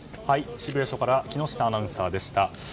渋谷署から木下アナウンサーでした。